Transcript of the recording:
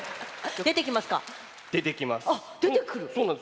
出てきます。